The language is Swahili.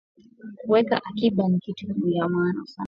Kuweka akiba ni kitu yamaana sana kwa mtu